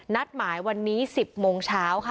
นัดหมายวันนี้๑๐โมงเช้าค่ะ